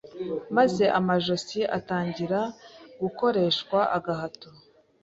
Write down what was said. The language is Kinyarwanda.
maze amajosi atangira gukoreshwa agahato